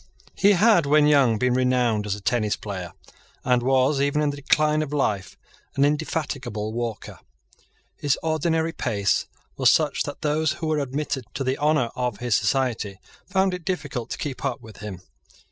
He had, when young, been renowned as a tennis player, and was, even in the decline of life, an indefatigable walker. His ordinary pace was such that those who were admitted to the honour of his society found it difficult to keep up with him.